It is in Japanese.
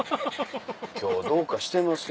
今日どうかしてますよ